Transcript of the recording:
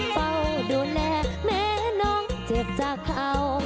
เฝ้าดูแลแม้น้องเจ็บจากเขา